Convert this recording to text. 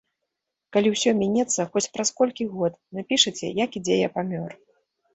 Калі ўсё мінецца, хоць праз колькі год, напішаце, як і дзе я памёр.